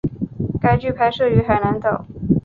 该剧拍摄于海南岛。